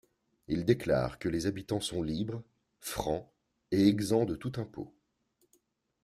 Il déclare que les habitants sont libres, francs et exempts de tout impôt.